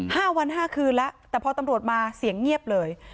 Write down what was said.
ห้าวันห้าคืนแล้วแต่พอตำรวจมาเสียงเงียบเลย